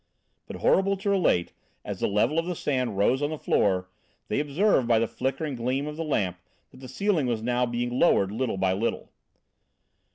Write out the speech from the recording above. But horrible to relate, as the level of the sand rose on the floor, they observed by the flickering gleam of the lamp, that the ceiling was now being lowered little by little.